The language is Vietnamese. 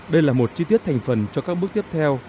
đây là một chi tiết thành phần cho các bước tiếp theo